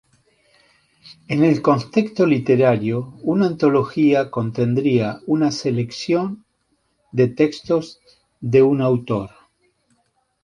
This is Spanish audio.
En el contexto literario, una antología contendría una selección de textos de un autor.